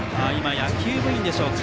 野球部員でしょうか。